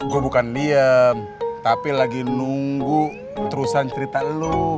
gue bukan diem tapi lagi nunggu terusan cerita lo